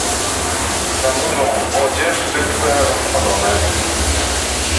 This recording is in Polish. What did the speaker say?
"Zanurzą w wodzie szczypce rozpalone."